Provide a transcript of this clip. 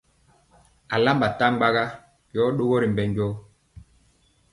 Alamba ntaɓaga yɔ ɗogɔ ri mbɛ jɔɔ.